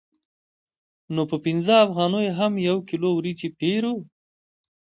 نو په پنځه افغانیو هم یو کیلو وریجې پېرو